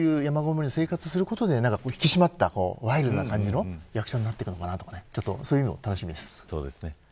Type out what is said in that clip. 山ごもりの生活をすることで引き締まったワイルドな感じの役者になっていくのかなとかそういうのも楽しみです。